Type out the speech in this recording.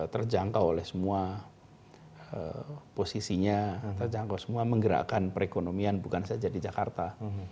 terjangkau oleh semua posisinya terjangkau semua menggerakkan perekonomian bukan saja di jakarta